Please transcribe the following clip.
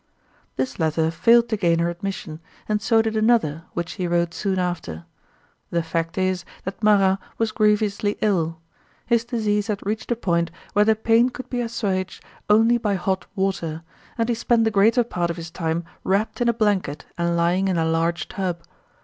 This letter failed to gain her admission, and so did another which she wrote soon after. The fact is that Marat was grievously ill. His disease had reached a point where the pain could be assuaged only by hot water; and he spent the greater part of his time wrapped in a blanket and lying in a large tub.